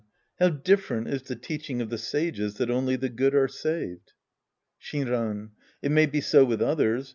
How different is the teaching of the sages that only the good are saved ! Shinran. It may be so with others.